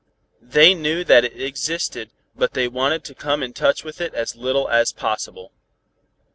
They knew that it existed but they wanted to come in touch with it as little as possible.